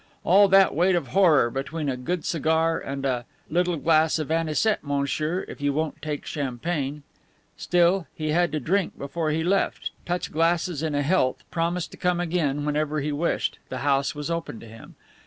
All that weight of horror, between a good cigar and "a little glass of anisette, monsieur, if you won't take champagne." Still, he had to drink before he left, touch glasses in a health, promise to come again, whenever he wished the house was open to him.